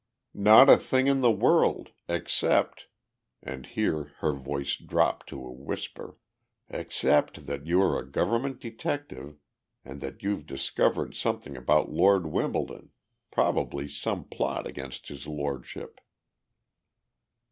"Not a thing in the world except," and here her voice dropped to a whisper "except that you are a government detective and that you've discovered something about Lord Wimbledon, probably some plot against His Lordship."